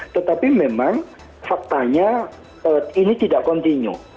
tetapi memang faktanya ini tidak kontinu